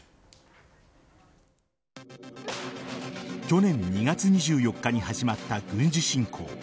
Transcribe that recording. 去年２月２４日に始まった軍事侵攻。